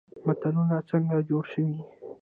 متلونه څنګه جوړ شوي؟